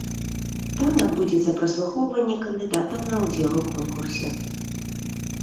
Там адбудзецца праслухоўванне кандыдатаў на ўдзел у конкурсе.